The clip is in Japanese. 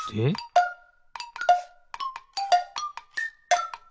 ピッ！